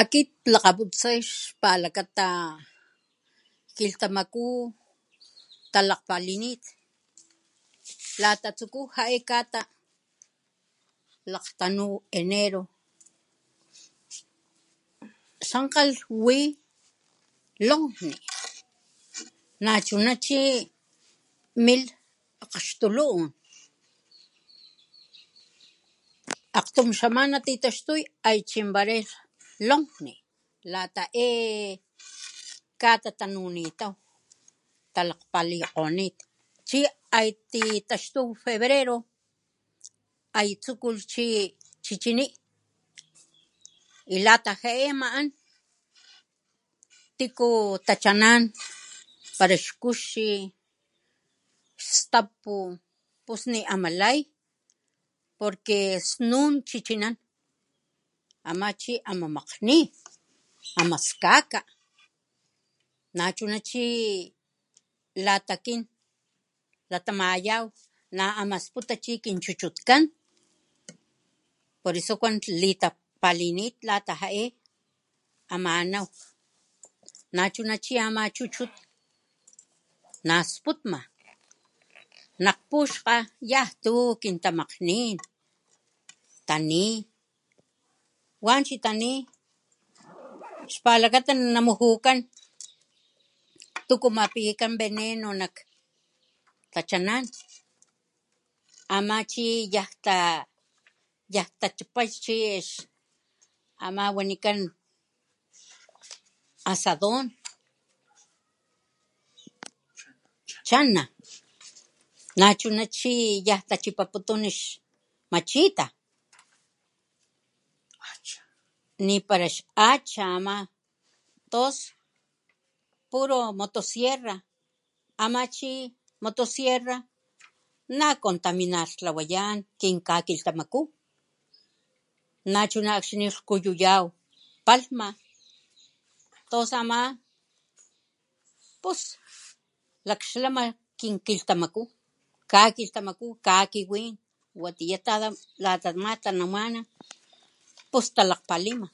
Akit klakgaputsay xpalakata xlakata kilhtamaku talakgpalinit lata tsuku jae kata lakgtanu enero tsankgalh wi lonkgni nachuna chi milh akgxtuluun akgtuy xamana titaxtuy hay chimbaray lonkgni lata eee kata tanunitaw talakgpalikgonit chi aititaxtunit febrero hay tsukulh chi chcini y lata jae amaan tiku tachanan para ixkuxi staou pus ni amalay porque susn chichinanan ama chi ama makgni amaskaka nachuna chi lata akin latamayaw na ama sputa chi kinchuchutkan por eso kuan litapalinit lata jae ananw nachuna chi ama chuchut nasputma nakpuxkga yantu kintamakganin taniy wanchi taniy xpalakata namujukan tuku mapikan veneno nak tachanan ama chi yantachapay chi ama wanikan chi asadon chana nachuna chi pi yantu tachapaputun ixmachita nipara ixhacha ama tos puro motosierra ama chi motosierra nacontaminartlawayaw lata chi kakilhtamaku nachuna chi akxni lhkuma lhkuyuyaw palhma tos ama pus laklama kinkilhtamaku kalilhtamaku kakiwin watiya lata nama talaman pos talakgpalima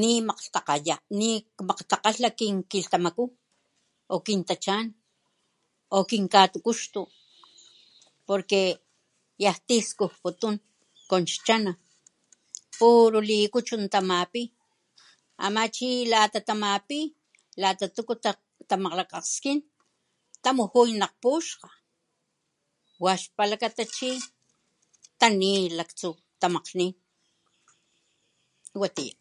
nimatagala nikmakgtakgalha kilhtamaku o kin tachan o kinkatukuxtu porque yanti skujputun con ixchana puro likichun tamaoi ama chi lata tamapi lata tuku tamaklakaskin tamujuy nak puxkga waxpalakata chi tani laktsu tamakgnini watiya.